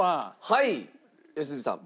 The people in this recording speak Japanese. はい良純さん。